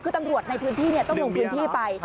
คือตำรวจในพื้นที่ต้องลงพื้นที่ไป